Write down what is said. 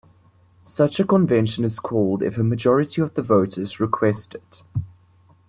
Such a convention is called if a majority of the voters request it.